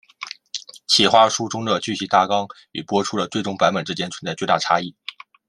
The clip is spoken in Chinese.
企划书中的剧情大纲与播出的最终版本之间存在巨大差异。